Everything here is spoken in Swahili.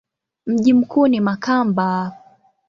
Mji mkuu ni Makamba.